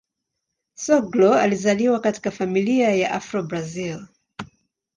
Soglo alizaliwa katika familia ya Afro-Brazil.